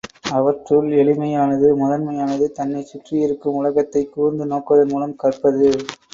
அவற்றுள் எளிமையானது, முதன்மையானது தன்னைச் சுற்றியிருக்கும் உலகத்தைக் கூர்ந்து நோக்குவதன் மூலம் கற்பது.